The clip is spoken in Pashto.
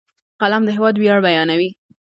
قلم د هېواد ویاړ بیانوي